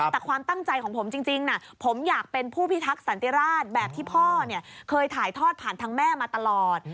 แต่ความตั้งใจของผมจริงนะผมอยากเป็นผู้พิทักษันติราชแบบที่พ่อเคยถ่ายทอดผ่านทางแม่มาตลอด